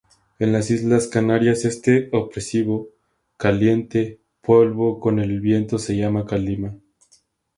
En las Islas Canarias este opresivo, caliente, polvo con el viento se llama Calima.